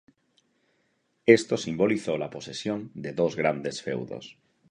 Esto simbolizó la posesión de dos grandes feudos.